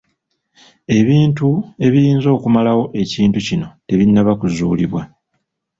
Ebintu ebiyinza okumalawo ekintu kino tebinnaba kuzuulibwa.